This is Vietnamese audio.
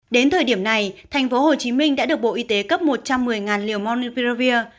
đến thời điểm này tp hcm đã được bộ y tế cấp một trăm một mươi liều monupiravir